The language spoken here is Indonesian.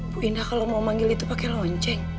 bu indah kalau mau manggil itu pakai lonceng